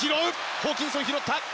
ホーキンソン、拾った。